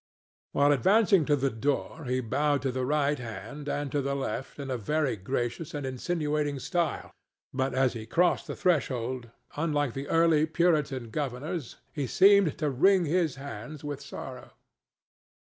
While advancing to the door he bowed to the right hand and to the left in a very gracious and insinuating style, but as he crossed the threshold, unlike the early Puritan governors, he seemed to wring his hands with sorrow.